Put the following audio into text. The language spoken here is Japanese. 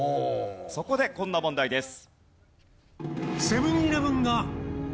そこでこんな問題です。